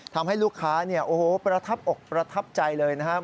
ทำให้ลูกค้าประทับอกประทับใจเลยนะครับ